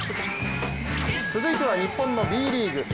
続いては日本のＢリーグ。